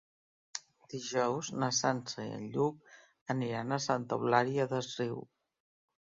Dijous na Sança i en Lluc aniran a Santa Eulària des Riu.